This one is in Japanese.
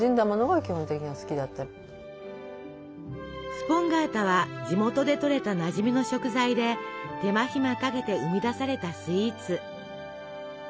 スポンガータは地元でとれたなじみの食材で手間暇かけて生み出されたスイーツ。